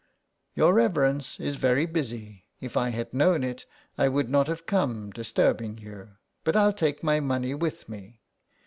"Your reverence is very busy. If I had known it I would not have come disturbing you. But Til take my money with me."